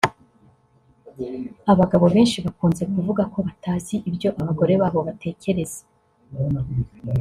Abagabo benshi bakunze kuvuga ko batazi ibyo abagore babo batekereza